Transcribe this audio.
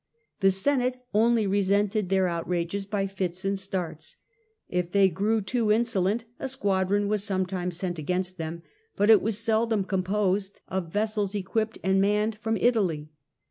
The Senate only resented their outrages by fits and starts. If they grew too insolent, a squadron was sometimes sent against them, but it was seldom composed of vessels equipped and manned from Italy.